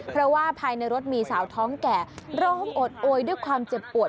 เพราะว่าภายในรถมีสาวท้องแก่ร้องโอดโอยด้วยความเจ็บปวด